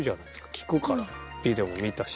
聴くからビデオも見たし。